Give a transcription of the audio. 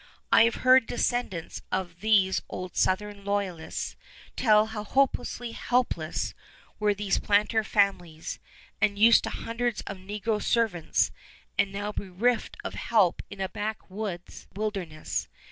I have heard descendants of these old southern Loyalists tell how hopelessly helpless were these planters' families, used to hundreds of negro servants and now bereft of help in a backwoods wilderness.